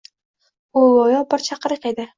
Bu go‘yo bir chaqiriq edi.